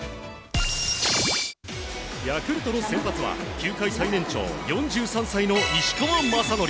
ヤクルトの先発は球界最年長４３歳の石川雅規。